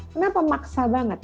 kenapa maksa banget